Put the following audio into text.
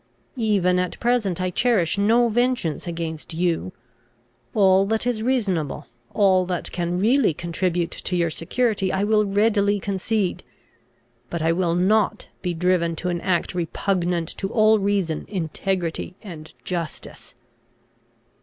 Even at present I cherish no vengeance against you. All that is reasonable, all that can really contribute to your security, I will readily concede; but I will not be driven to an act repugnant to all reason, integrity, and justice."